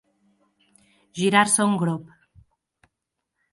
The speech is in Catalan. Girar-se un grop.